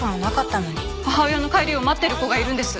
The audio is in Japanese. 母親の帰りを待ってる子がいるんです！